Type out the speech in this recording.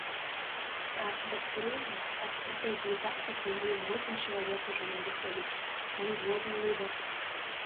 Ад дактрыны, ад стратэгіі і тактыкі ніводзін чалавек ужо не адыходзіць, ніводзін лідар!